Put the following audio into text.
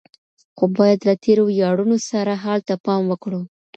خو بايد له تېرو وياړونو سره سره حال ته پام وکړو.